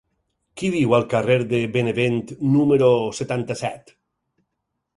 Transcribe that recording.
Qui viu al carrer de Benevent número setanta-set?